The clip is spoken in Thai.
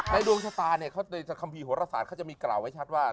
ดวงชะตาเนี่ยเขาในคัมภีร์โหรศาสตร์เขาจะมีกล่าวไว้ชัดว่า